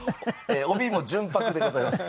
帯も純白でございます。